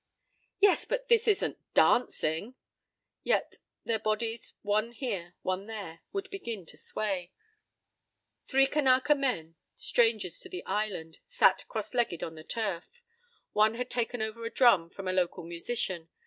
— "Yes, but this isn't dancing!" Yet their bodies, one here, one there, would begin to sway— Three Kanaka men, strangers to the island, sat cross legged on the turf. One had taken over a drum from a local musician.